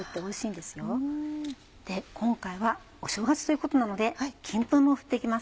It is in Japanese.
で今回はお正月ということなので金粉も振って行きます。